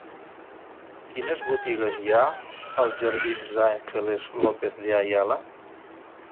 Quines botigues hi ha als jardins d'Ángeles López de Ayala?